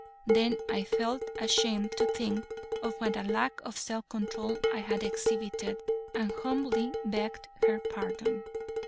Then I felt ashamed to think of what a lack of self control I had exhibited, and humbly begged her pardon.